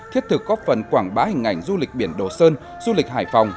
thiết thực góp phần quảng bá hình ảnh du lịch biển đồ sơn du lịch hải phòng